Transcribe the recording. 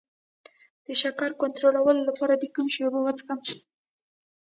د شکر کنټرول لپاره د کوم شي اوبه وڅښم؟